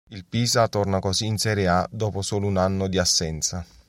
Il Pisa torna così in Serie A dopo solo un anno di assenza.